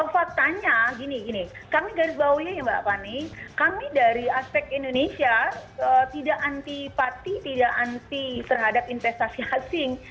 faktanya gini kami dari aspek indonesia tidak anti parti tidak anti terhadap investasi asing